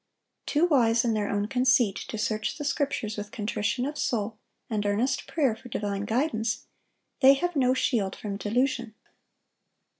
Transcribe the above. Too wise in their own conceit to search the Scriptures with contrition of soul and earnest prayer for divine guidance, they have no shield from delusion.